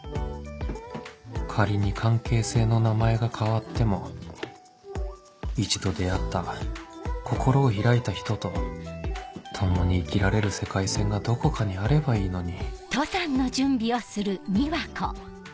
仮に関係性の名前が変わっても一度出会った心を開いた人と共に生きられる世界線がどこかにあればいいのに